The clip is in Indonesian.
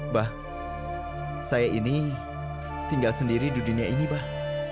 bah saya ini tinggal sendiri di dunia ini bah